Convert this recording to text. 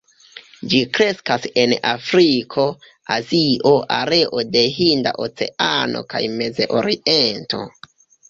Ĝi kreskas en Afriko, Azio, areo de Hinda Oceano kaj Mez-Oriento.